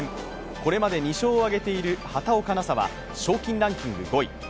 これまで２勝を挙げている畑岡奈紗は賞金ランキング５位。